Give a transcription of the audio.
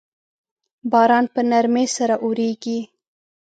باران په نرمۍ سره اوریږي